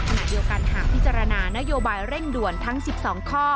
ขณะเดียวกันหากพิจารณานโยบายเร่งด่วนทั้ง๑๒ข้อ